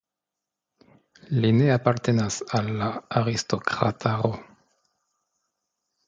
Li ne apartenas al la aristokrataro.